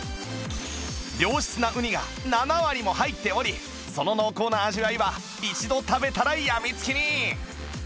良質なウニが７割も入っておりその濃厚な味わいは一度食べたらやみつきに！